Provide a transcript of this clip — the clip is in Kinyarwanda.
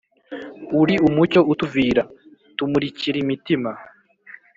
uri umucyo utuvira. tumurikir' imitima,